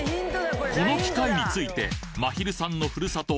この機械についてまひるさんの故郷